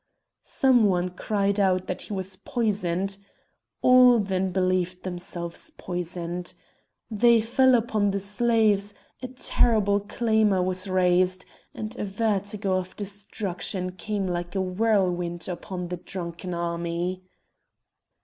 Some one cried out that he was poisoned. All then believed themselves poisoned. They fell upon the slaves, a terrible clamour was raised, and a vertigo of destruction came like a whirlwind upon the drunken army.